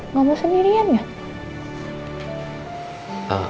ngomong sendirian gak